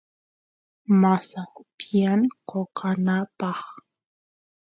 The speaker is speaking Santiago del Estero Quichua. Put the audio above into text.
masa tiyan qoqanapaq